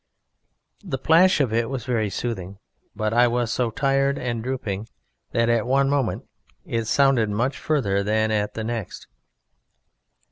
The plash of it was very soothing, but I was so tired and drooping that at one moment it sounded much further than at the next.